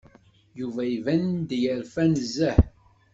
Yuba iban-d yerfa nezzeh.